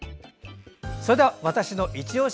それでは「＃わたしのいちオシ」